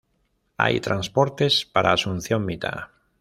Hay transportes para Asunción Mita.